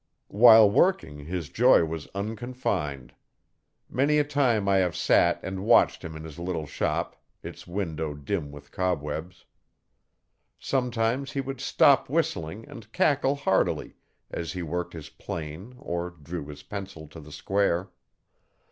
While working his joy was unconfined. Many a time I have sat and watched him in his little shop, its window dim with cobwebs. Sometimes he would stop whistling and cackle heartily as he worked his plane or drew his pencil to the square.